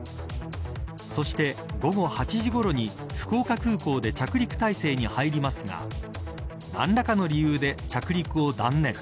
そして、午後８時ごろに福岡空港で着陸態勢に入りますが何らかの理由で着陸を断念。